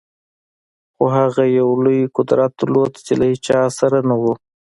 خو هغه یو لوی قدرت درلود چې له هېچا سره نه و